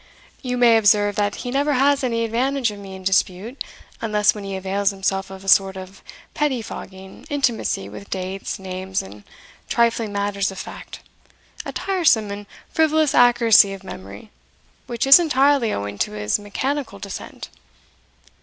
You may observe that he never has any advantage of me in dispute, unless when he avails himself of a sort of pettifogging intimacy with dates, names, and trifling matters of fact a tiresome and frivolous accuracy of memory, which is entirely owing to his mechanical descent."